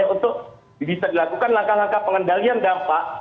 untuk bisa dilakukan langkah langkah pengendalian dampak